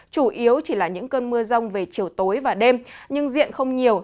chủ yếu chỉ là những cơn mưa rông về chiều tối và đêm nhưng diện không nhiều